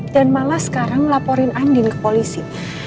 dan malah sekarang laporin andin ke polisi